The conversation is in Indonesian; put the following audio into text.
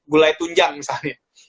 gulai tunjang misalnya